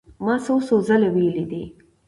ما څو څو ځله وئيلي دي